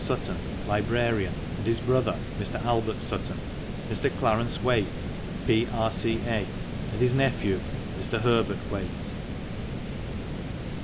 Sutton, librarian, and his brother, Mr. Albert Sutton, Mr. Clarence Whaite, P.R.C.A., and his nephew, Mr. Herbert Whaite